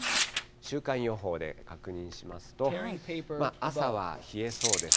週間予報で確認しますと、朝は冷えそうです。